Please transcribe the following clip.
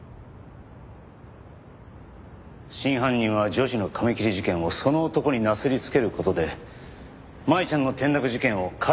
真犯人は女児の髪切り事件をその男になすりつける事で舞ちゃんの転落事件を彼の犯行だと思わせようとした。